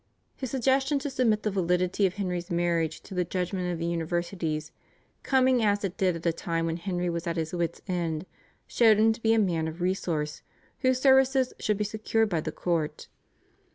His suggestion to submit the validity of Henry's marriage to the judgment of the universities, coming as it did at a time when Henry was at his wits' end, showed him to be a man of resource whose services should be secured by the court.